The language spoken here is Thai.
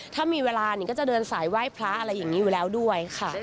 ถ้ามีเวลานิ่งก็จะเดินสายไหว้พระอะไรอย่างนี้อยู่แล้วด้วยค่ะ